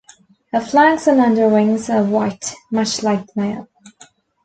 Her flanks and underwings are white, much like the male.